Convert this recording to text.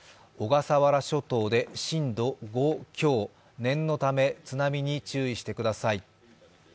小笠原諸島で震度５強、念のため、津波に注意してください